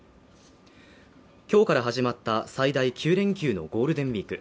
今日から始まった最大９連休のゴールデンウィーク。